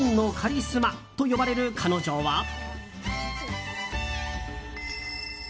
後にティーンのカリスマと呼ばれる彼女は。